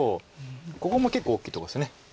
ここも結構大きいとこです。